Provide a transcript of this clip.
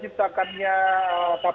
kita menggunakan media baru